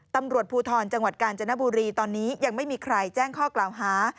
ตำรวจภูทรจังหวัดกาญจนบุรีตอนนี้ยังไม่มีใครแจ้งข้อกล่าวหา